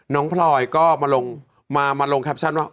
พลอยก็มาลงแคปชั่นว่า